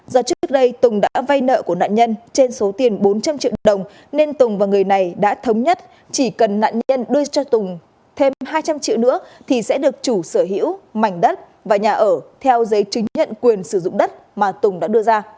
do trước đây tùng đã vây nợ của nạn nhân trên số tiền bốn trăm linh triệu đồng nên tùng và người này đã thống nhất chỉ cần nạn nhân đưa cho tùng thêm hai trăm linh triệu nữa thì sẽ được chủ sở hữu mảnh đất và nhà ở theo giấy chứng nhận quyền sử dụng đất